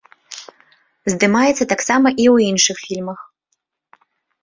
Здымаецца таксама і ў іншых фільмах.